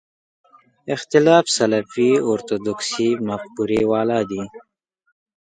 اختلاف سلفي اورتودوکسي مفکورې والا دي.